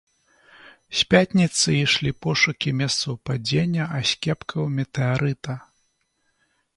З пятніцы ішлі пошукі месцаў падзення аскепкаў метэарыта.